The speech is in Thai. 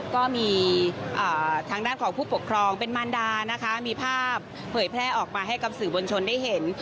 ก็มีทางด้านของผู้ปกครองเป็นมารดานะคะมีภาพเผยแพร่ออกมาให้กับสื่อบนชนได้เห็น